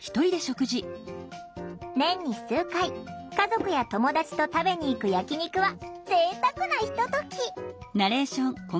年に数回家族や友達と食べに行く焼き肉はぜいたくなひととき。